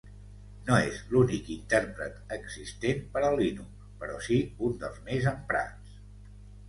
No és l'únic intèrpret existent per a Linux, però si un dels més emprats.